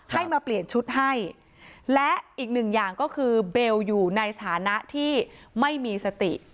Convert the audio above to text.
ให้มาเปลี่ยนชุดให้และอีกหนึ่งอย่างก็คือเบลอยู่ในสถานะที่ไม่มีสติ